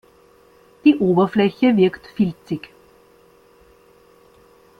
Die Oberfläche wirkt filzig.